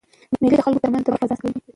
مېلې د خلکو ترمنځ د باور فضا رامنځ ته کوي.